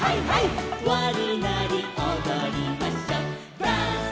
「わになりおどりましょう」